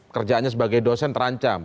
kerjaannya sebagai dosen terancam